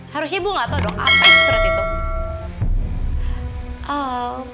harusnya ibu gak tahu dong apa surat itu